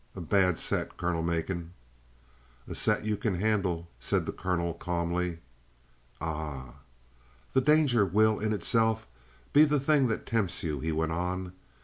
A bad set, Colonel Macon." "A set you can handle," said the colonel, calmly. "Ah?" "The danger will in itself be the thing that tempts you," he went on.